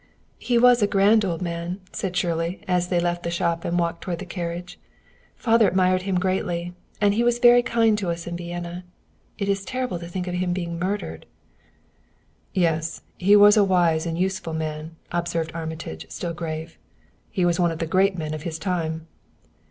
"He was a grand old man," said Shirley, as they left the shop and walked toward the carriage. "Father admired him greatly; and he was very kind to us in Vienna. It is terrible to think of his being murdered." "Yes; he was a wise and useful man," observed Armitage, still grave. "He was one of the great men of his time."